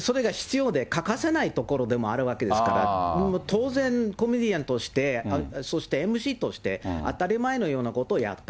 それが必要で欠かせないところでもあるわけですから、当然、コメディアンとして、そしてＭＣとして、当たり前のようなことをやった。